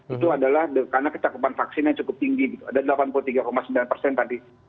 itu adalah karena kecakupan vaksin yang cukup tinggi ada delapan puluh tiga sembilan persen tadi